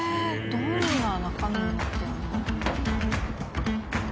どんな中身になってるの？